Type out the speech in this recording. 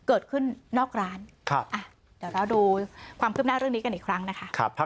เกิดขึ้นนอกร้านครับอ่าเดี๋ยวเราดูความขึ้นหน้าเรื่องนี้กันอีกครั้งนะคะครับ